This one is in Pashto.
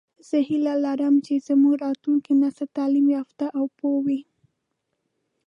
زه هیله لرم چې زمونږ راتلونکی نسل تعلیم یافته او پوهه وي